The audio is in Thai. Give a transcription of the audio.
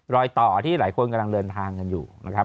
รอยต่อที่หลายคนกำลังเดินทางกันอยู่นะครับ